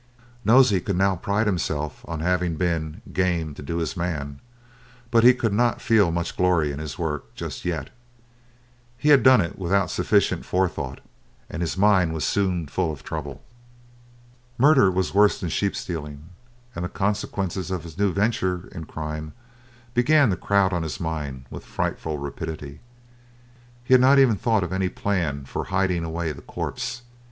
Nosey could now pride himself on having been "game to do his man," but he could not feel much glory in his work just yet. He had done it without sufficient forethought, and his mind was soon full of trouble. Murder was worse than sheep stealing, and the consequences of his new venture in crime began to crowd on his mind with frightful rapidity. He had not even thought of any plan for hiding away the corpse.